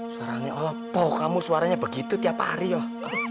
suara aneh oh apa kamu suaranya begitu tiap hari yoh